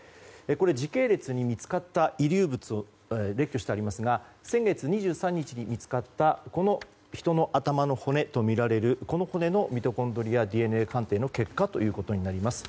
時系列に見つかった遺留物を列挙していますが先月２３日に見つかった人の頭の骨とみられるこの骨のミトコンドリアＤＮＡ鑑定の結果となります。